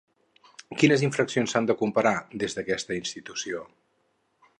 Quines infraccions s'han de comparar, des d'aquesta institució?